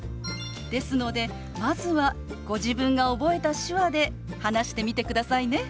ですのでまずはご自分が覚えた手話で話してみてくださいね。